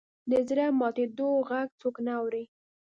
د زړه ماتېدو ږغ څوک نه اوري.